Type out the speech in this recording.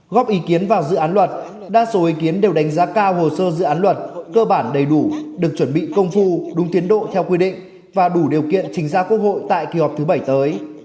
góp ý kiến vào dự án luật đa số ý kiến đều đánh giá cao hồ sơ dự án luật cơ bản đầy đủ được chuẩn bị công phu đúng tiến độ theo quy định và đủ điều kiện trình ra quốc hội tại kỳ họp thứ bảy tới